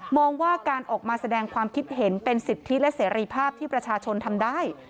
บอกว่าการออกมาแสดงความคิดเห็นเป็นสิทธิและเสรีภาพที่ประชาชนทำได้